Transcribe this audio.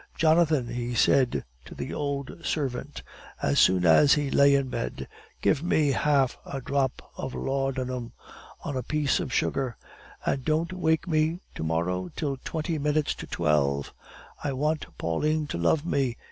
"Jonathan," he said to the old servant, as soon as he lay in bed, "give me half a drop of laudanum on a piece of sugar, and don't wake me to morrow till twenty minutes to twelve." "I want Pauline to love me!"